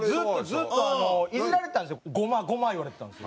ずっとあのイジられてたんですよ「ゴマゴマ」言われてたんです。